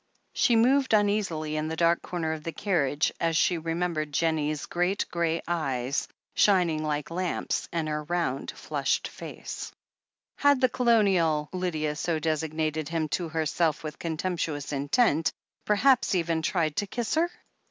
She moved uneasily in the dark comer of the carriage as she remembered Jennie's great g^ey eyes, shining like lamps, and her round, flushed face. THE HEEL OF ACHILLES '369 Had the Colonial — ^Lydia so designated him to her self with contemptuous intent — perhaps even tried to kiss her?